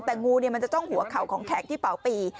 แต่งูมันจะจ้องหัวเข่าของแข็งที่เป่าปี